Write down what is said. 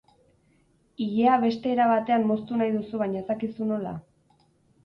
Ilea beste era batean moztu nahi duzu baina ez dakizu nola?